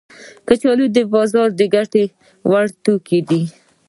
کچالو د بازار د ګټه ور توکي دي